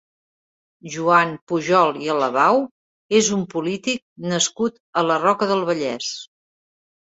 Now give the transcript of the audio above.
Joan Pujol i Alabau és un polític nascut a la Roca del Vallès.